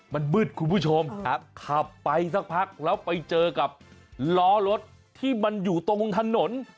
มันมืดคุณผู้ชมขับไปสักพักแล้วไปเจอกับล้อรถที่มันอยู่ตรงถนน